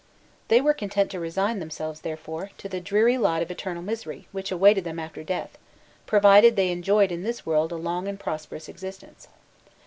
They were content to resign themselves, therefore, to the dreary lot of eternal misery which awaited them after death, provided they enjoyed in this world a long and prosperous existence.